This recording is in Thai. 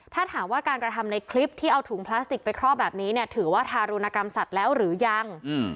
ถ้าถามว่าการกระทำในคลิปที่เอาถุงพลาสติกไปครอบแบบนี้เนี่ยถือว่าทารุณกรรมสัตว์แล้วหรือยัง